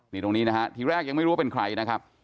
นี่ตรงนี้นะฮะทีแรกยังไม่รู้ว่าเป็นใครนะครับ